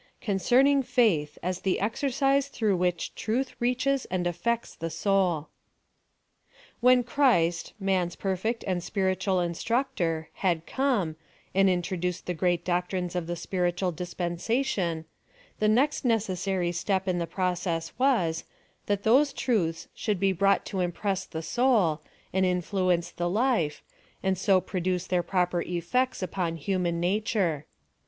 CONCERNING FAITH, AS THK KXPIRCISE THROlfJH WHICH TRUTH REACHES AND AFFECTS THE S3UL. Whkn Christ, man's perfect and spiritual instruc tor, liad come, and introduced the great doctrines of the spiritual dispensation, the next necessary step in the process was, that those truths should be brought to impress the soul, and influence the life, and so produce their proper efl^ects upon human nature.